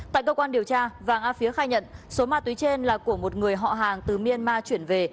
tại cơ quan điều tra vàng a phía khai nhận số ma túy trên là của một người họ hàng từ myanmar chuyển về